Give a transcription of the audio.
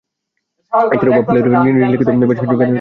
এছাড়াও, বাপ্পী লাহিড়ী নিজের লিখিত বেশ কিছু গানে কণ্ঠ দিয়েছেন।